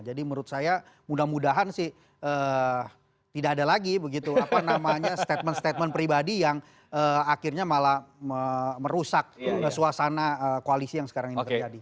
jadi menurut saya mudah mudahan sih tidak ada lagi begitu apa namanya statement statement pribadi yang akhirnya malah merusak suasana koalisi yang sekarang ini terjadi